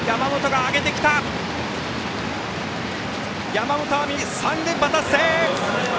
山本亜美、３連覇達成！